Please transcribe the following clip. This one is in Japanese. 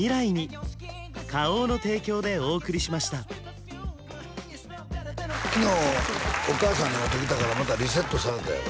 取材者からの昨日お母さんに会うてきたからまたリセットされたやろ？